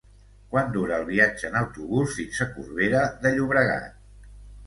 Quant dura el viatge en autobús fins a Corbera de Llobregat?